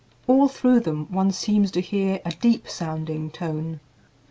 All through them one seems to hear a deep sounding tone.